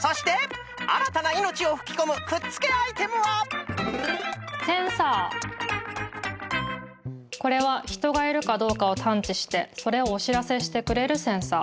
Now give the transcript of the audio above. そしてあらたないのちをふきこむくっつけアイテムはこれはひとがいるかどうかをたんちしてそれをおしらせしてくれるセンサー。